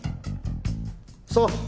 そう。